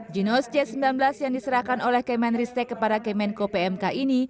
jinos c sembilan belas yang diserahkan oleh kemen ristek kepada kemenko pmk ini